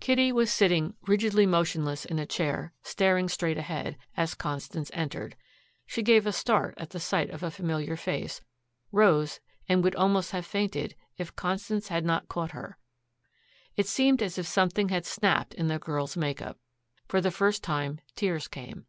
Kitty was sitting rigidly motionless in a chair, staring straight ahead, as Constance entered. She gave a start at the sight of a familiar face, rose, and would almost have fainted if Constance had not caught her. It seemed as if something had snapped in the girl's make up. For the first time tears came.